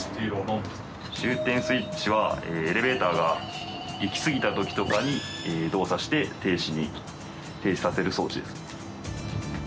終点スイッチはエレベーターが行きすぎた時とかに動作して停止させる装置です。